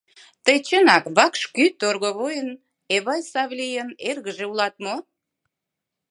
Тый чынак вакш кӱ торговойын, Эвай Савлийын, эргыже улат мо?